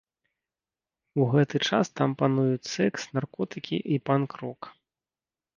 У гэты час там пануюць сэкс, наркотыкі і панк-рок.